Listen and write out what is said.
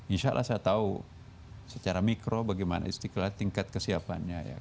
insya allah saya tahu secara mikro bagaimana istiqlal tingkat kesiapannya